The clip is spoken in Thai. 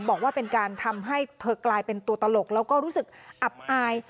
บอกว่าเป็นการทำให้เธอกลายเป็นตัวตลกแล้วก็รู้สึกอับอาย